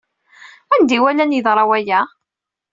Anda ay walan yeḍra waya?